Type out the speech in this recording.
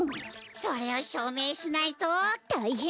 それをしょうめいしないと。たいへんなことに！